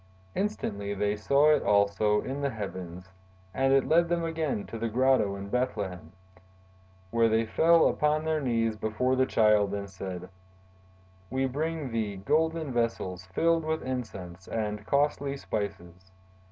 Instantly they saw it also in the heavens and it led them again to the grotto in Bethlehem, where they fell upon their knees before the Child and said: 'We bring thee golden vessels filled with incense and costly spices.